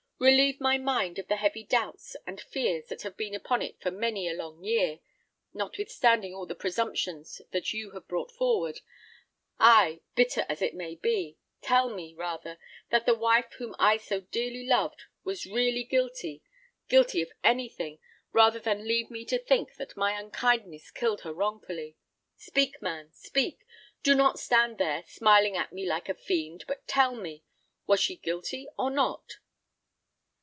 Relieve my mind of the heavy doubts and fears that have been upon it for many a long year; notwithstanding all the presumptions that you brought forward ay, bitter as it may be tell me, rather, that the wife whom I so dearly loved was really guilty guilty of anything, rather than leave me to think that my unkindness killed her wrongfully. Speak, man, speak! Do not stand there, smiling at me like a fiend, but tell me, was she guilty or not?"